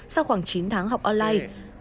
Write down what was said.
sau khoảng chín tháng học online